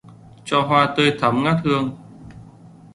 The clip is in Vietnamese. Cho hoa tươi thắm ngát hương